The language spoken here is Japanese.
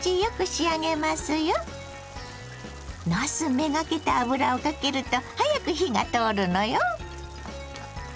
なす目がけて油をかけると早く火が通るのよ。